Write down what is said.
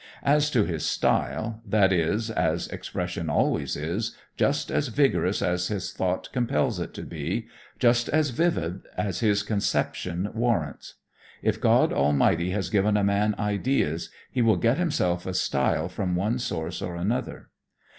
As to his style, that is, as expression always is, just as vigorous as his thought compels it to be, just as vivid as his conception warrants. If God Almighty has given a man ideas, he will get himself a style from one source or another.